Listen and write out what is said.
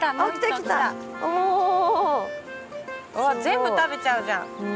全部食べちゃうじゃん。